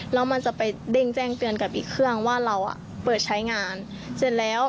แล้วมันจะไปเด้งแจ้งเตือนกับอีกเครื่องว่าเราเปิดใช้งานเสร็จแล้ว